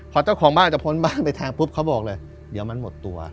พอเจ้าของบ้านจะพ้นบ้านไปแทงปุ๊บเขาบอกเลยเดี๋ยวมันหมดตัว